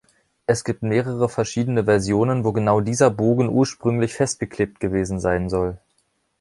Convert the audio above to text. Es gibt mehrere verschiedene Versionen, wo genau dieser Bogen ursprünglich festgeklebt gewesen sein soll.